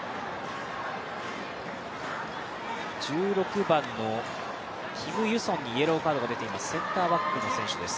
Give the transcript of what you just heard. １６番のキム・ユソンにイエローカードが出ています、センターバックの選手です。